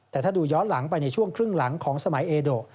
แต่ถ้าดูย้อนหลังไปในช่วงครึ่งหลังของสมัยเอโด